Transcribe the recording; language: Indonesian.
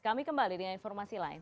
kami kembali dengan informasi lain